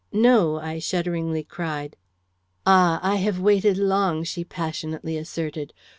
"No," I shudderingly cried. "Ah! I have waited long," she passionately asserted.